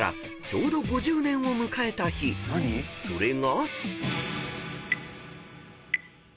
［それが］